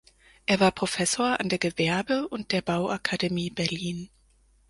Er war Professor an der Gewerbe- und der Bauakademie Berlin.